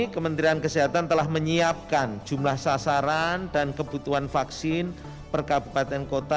kementerian kesehatan telah menyiapkan jumlah sasaran dan kebutuhan vaksin per kabupaten kota